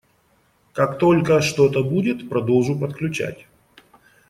Как только что-то будет - продолжу подключать.